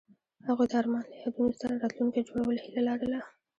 هغوی د آرمان له یادونو سره راتلونکی جوړولو هیله لرله.